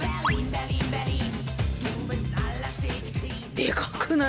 でかくない？